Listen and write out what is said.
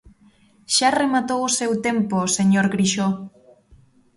Xa rematou o seu tempo, señor Grixó.